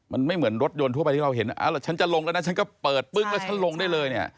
มันไม่เหมือนรถยนต์ทั่วไปที่เราเห็นเธอจะลงก็เปิดปึ๊กและลงได้เลย